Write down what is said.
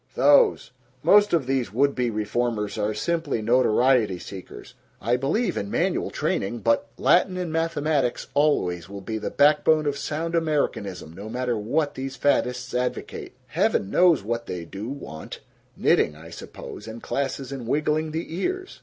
Those. Most of these would be reformers are simply notoriety seekers. I believe in manual training, but Latin and mathematics always will be the backbone of sound Americanism, no matter what these faddists advocate heaven knows what they do want knitting, I suppose, and classes in wiggling the ears!"